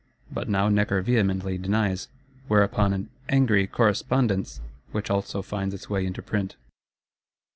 But now Necker vehemently denies; whereupon an "angry Correspondence," which also finds its way into print.